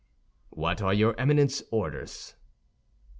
"What are your Eminence's orders?"